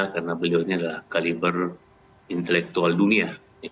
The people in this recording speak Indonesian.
karena beliau ini adalah kaliber intelektual dunia